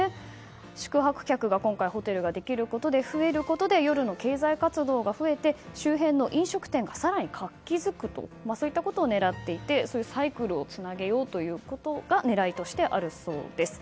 宿泊客が今回ホテルができることで、増えることで夜の経済活動が増えて周辺の飲食店が更に活気づくといったことを狙っていて、そういうサイクルをつなげようということが狙いとして、あるそうです。